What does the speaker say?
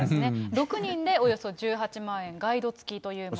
６人でおよそ１８万円、ガイド付きというもの。